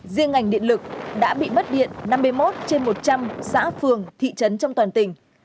riêng ngành điện lực đã bị mất điện năm mươi một trên một trăm linh xã phường thị trấn trong toàn tỉnh